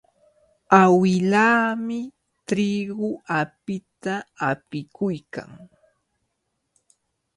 Awilaami triqu apita apikuykan.